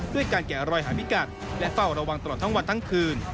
ด้วยการแกะรอยหาพิกัดและเฝ้าระวังตลอดทั้งวันทั้งคืน